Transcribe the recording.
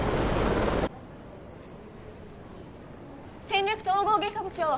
戦略統合外科部長！